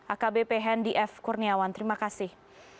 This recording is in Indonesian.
akbp hendi f kurniawan terima kasih